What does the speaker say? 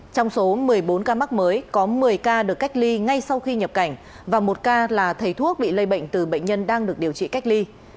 trong số một mươi bốn ca mắc mới có một mươi ca được cách ly ngay sau khi nhập cảnh và một ca là thầy thuốc bị lây bệnh từ bệnh nhân đang được điều trị cách ly